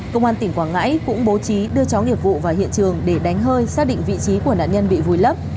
công an tỉnh quảng ngãi cũng bố trí đưa chó nghiệp vụ vào hiện trường để đánh hơi xác định vị trí của nạn nhân bị vùi lấp